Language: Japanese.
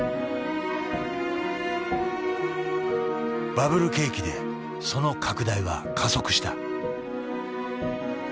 バブル景気でその拡大は加速した。